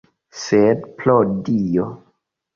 Sed, pro Dio!